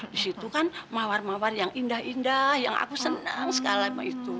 di situ kan mawar mawar yang indah indah yang aku senang segala macam